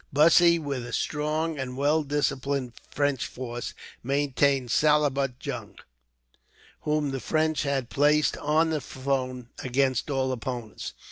Bussy, with a strong and well disciplined French force, maintained Salabut Jung, whom the French had placed on the throne, against all opponents.